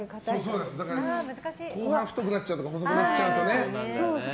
だから後半太くなっちゃうとか細くなっちゃうとか。